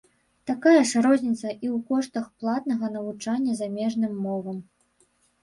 Такая ж розніца і ў коштах платнага навучання замежным мовам.